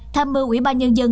tham mưu ủy ban nhân dân